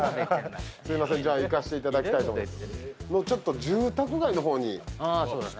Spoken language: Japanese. すみません、じゃあ、行かせていただきたいと思います。